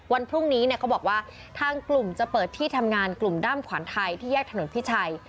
วันพรุ่งนี้เนี่ยเขาบอกว่าทางกลุ่มจะเปิดที่ทำงานกลุ่มด้ามขวานไทยที่แยกถนนพิชัย